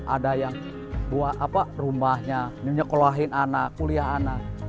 ada yang buat rumahnya keluahin anak kuliah anak